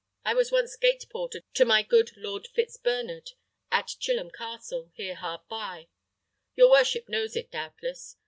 I was once gate porter to my good Lord Fitzbernard, at Chilham Castle, here hard by; your worship knows it, doubtless.